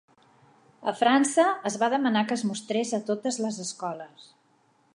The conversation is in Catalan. A França, es va demanar que es mostrés a totes les escoles.